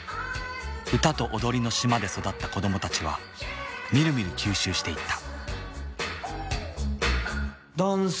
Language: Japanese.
歌と踊りの島で育った子どもたちはみるみる吸収していった。